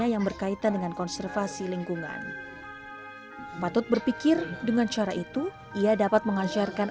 yang berkaitan dengan konservasi lingkungan patut berpikir dengan cara itu ia dapat mengajarkan